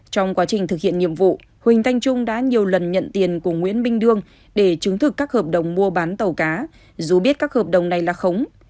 trong quá trình thực hiện nhiệm vụ huỳnh thanh trung đã nhiều lần nhận tiền của nguyễn minh đương để chứng thực các hợp đồng mua bán tàu cá dù biết các hợp đồng này là khống